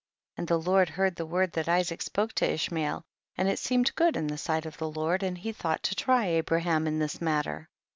45. And the Lord heard the word that Isaac spoke to Ishmael, and it seemed good in tiie sight of the Lord, and he thought to try Abraham in this matter.